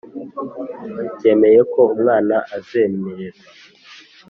cyemeye ko umwana azemererwa